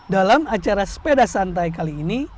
dalam acara sepeda santai kali ini